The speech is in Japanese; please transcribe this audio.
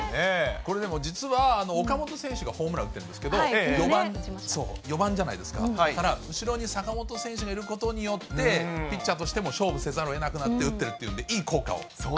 これ、でも岡本選手がホームランを打ってるんですけど、４番じゃないですか、後ろに坂本選手がいることによって、ピッチャーとしても勝負せざるをえなくなって打ってるということで、いい効果を。